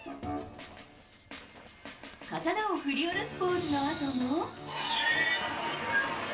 刀を振り下ろすポーズのあとも。